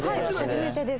初めてです。